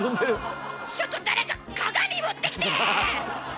ちょっと誰か鏡持ってきて！